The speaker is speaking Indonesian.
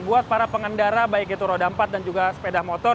buat para pengendara baik itu roda empat dan juga sepeda motor